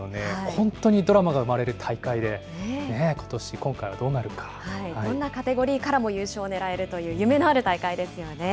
本当にドラマが生まれる大会で、ことし、どんなカテゴリーからも優勝を狙えるという夢のある大会ですよね。